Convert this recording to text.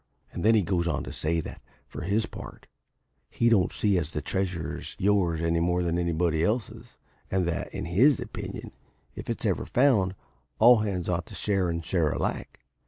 And then he goes on to say that, for his part, he don't see as the treasure is yours any more than it's anybody else's, and that, in his opinion, if it's ever found, all hands ought to share and share alike.